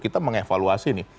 kita mengevaluasi ini